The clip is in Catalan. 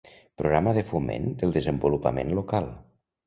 Programa de foment del desenvolupament local.